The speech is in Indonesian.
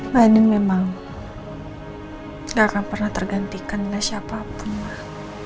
biden memang gak akan pernah tergantikan oleh siapapun lah